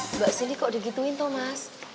mbak sini kok digituin tomas